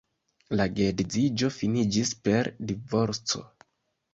La geedziĝo finiĝis per divorco.